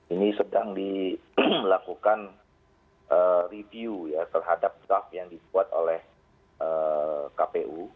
ini sedang melakukan review ya terhadap draft yang dibuat oleh kpu